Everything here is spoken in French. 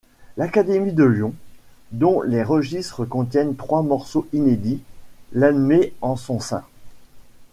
L’Académie de Lyon, dont les registres contiennent trois morceaux inédits, l’admet en son sein.